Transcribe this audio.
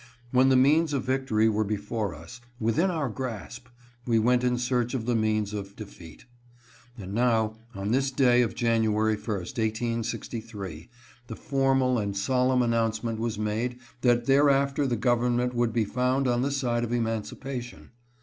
When the means of victory were before us, — within our grasp, — we went in search of the means of defeat. And now, on this day of January 1st, 1863, the formal and solemn announcement was made that thereafter the government would be found on the side of emancipation.